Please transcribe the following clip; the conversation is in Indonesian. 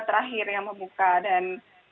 terakhir yang membuka dan